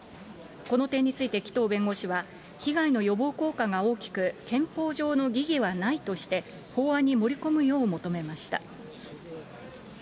この点について紀藤弁護士は、被害の予防効果が大きく、憲法上の疑義はないとして、法案に盛り込むよう求めました。